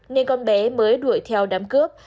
nên con bé mới đuổi theo đám cướp